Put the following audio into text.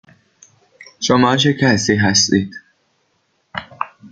شما چه کسی هستید؟